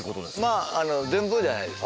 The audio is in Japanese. まあ全部じゃないです。